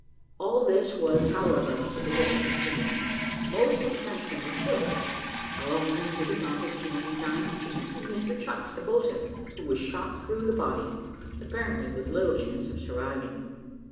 All this was, however, but the work of a few minutes. Most of the Frenchmen were killed; our own wounded amounted to only nine seamen and Mr Chucks, the boatswain, who was shot through the body, apparently with little chance of surviving.